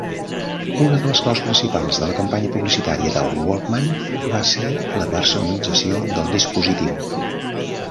Una de les claus principals de la campanya publicitària del Walkman va ser la personalització del dispositiu.